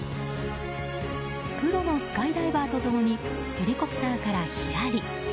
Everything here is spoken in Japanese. プロのスカイダイバーと共にヘリコプターからひらり。